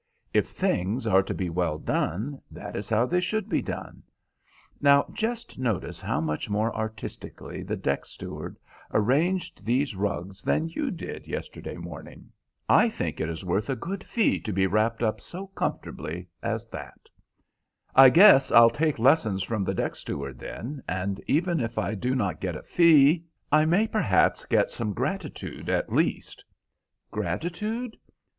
If things are to be well done, that is how they should be done. Now, just notice how much more artistically the deck steward arranged these rugs than you did yesterday morning. I think it is worth a good fee to be wrapped up so comfortably as that." "I guess I'll take lessons from the deck steward then, and even if I do not get a fee, I may perhaps get some gratitude at least." "Gratitude?